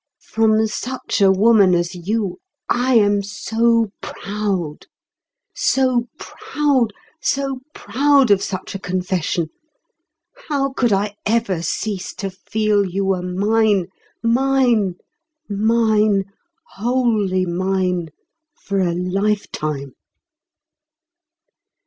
From such a woman as you, I am so proud, so proud, so proud of such a confession; how could I ever cease to feel you were mine—mine—mine—wholly mine for a lifetime?"